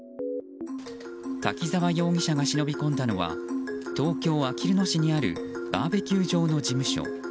滝沢容疑者が忍び込んだのは東京・あきる野市にあるべーべキュー場の事務所。